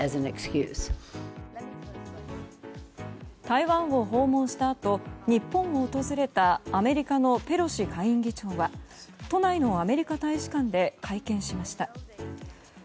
台湾を訪問したあと日本を訪れたアメリカのペロシ下院議長は都内のアメリカ大使館で会見しました。